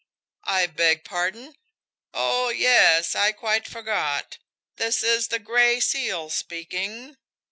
... I beg pardon? Oh, yes, I quite forgot this is the Gray Seal speaking.